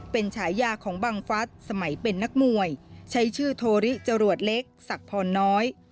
เป็นฉายาของบังฟัสสมัยเป็นนักมวยใช้ชื่อโทรริจรวดเล็กศักดิ์พรน้อย